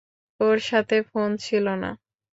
ওর সাথে ফোন ছিল না।